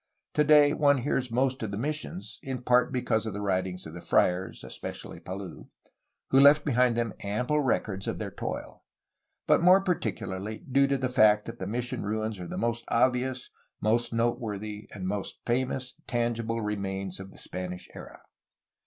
Today one hears most of missions, in part because of the writings of the friars (es pecially Palou), who left behind them ample records of their toil, but more particularly due to the fact that the mission ruins are the most obvious, most noteworthy, and most famous tangible remains of the Spanish era.